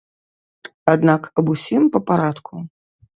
Аднак аб усім па парадку.